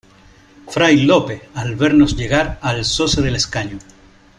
fray Lope, al vernos llegar , alzóse del escaño: